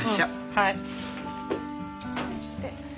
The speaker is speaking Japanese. はい。